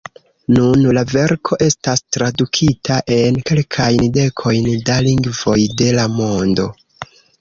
Nun la verko estas tradukita en kelkajn dekojn da lingvoj de la mondo.